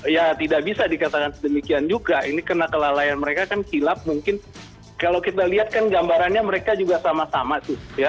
ya tidak bisa dikatakan sedemikian juga ini kena kelalaian mereka kan kilap mungkin kalau kita lihat kan gambarannya mereka juga sama sama sih